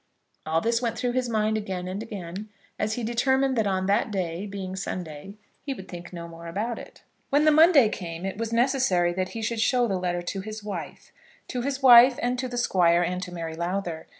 All this went through his mind again and again, as he determined that on that day, being Sunday, he would think no more about it. When the Monday came it was necessary that he should show the letter to his wife, to his wife, and to the Squire, and to Mary Lowther.